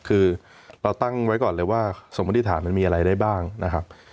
คือเราตั้งไว้ก่อนเลยว่าสมมติฐานมันมีอะไรได้บ้างนะครับ